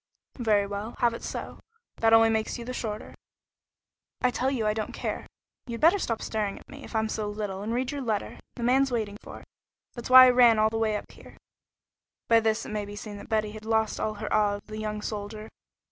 "Very well, have it so. That only makes you the shorter." "I tell you I don't care. You'd better stop staring at me, if I'm so little, and read your letter. The man's waiting for it. That's why I ran all the way up here." By this it may be seen that Betty had lost all her awe of the young soldier.